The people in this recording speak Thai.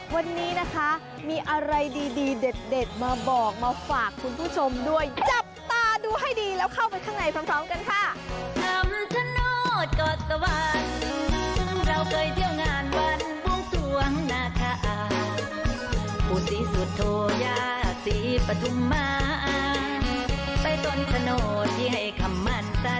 วันนี้นะคะมีอะไรดีเด็ดมาบอกมาฝากคุณผู้ชมด้วยจับตาดูให้ดีแล้วเข้าไปข้างในพร้อมกันค่ะ